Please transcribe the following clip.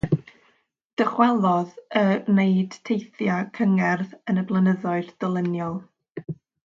Dychwelodd i wneud teithiau cyngerdd yn y blynyddoedd dilynol.